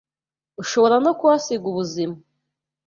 ushobora no kuhasiga ubuzima,